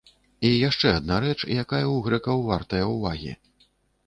І яшчэ адна рэч, якая ў грэкаў вартая ўвагі.